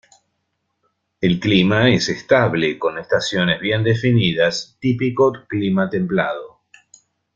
El clima es estable, con estaciones bien definidas, típico clima templado.